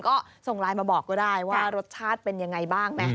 ก็ส่งไลน์มาบอกก็ได้ว่ารสชาติเป็นยังไงบ้างนะ